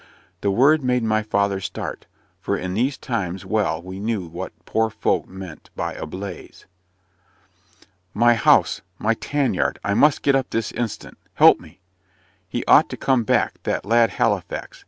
The word made my father start; for in these times well we knew what poor folk meant by "a blaze." "My house my tan yard I must get up this instant help me. He ought to come back that lad Halifax.